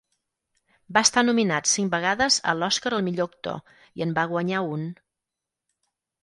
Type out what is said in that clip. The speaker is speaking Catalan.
Va estar nominat cinc vegades a l'Oscar al millor actor, i en va guanyar un.